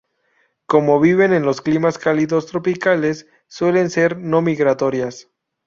Como viven en los climas cálidos tropicales, suelen ser no migratorias.